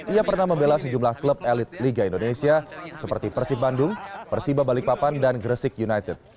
ia pernah membela sejumlah klub elit liga indonesia seperti persib bandung persiba balikpapan dan gresik united